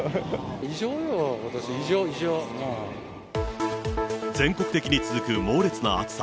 異常よ、ことし、異常、全国的に続く猛烈な暑さ。